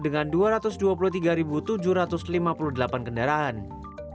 dengan dua ratus dua puluh tiga tujuh ratus juta orang per hari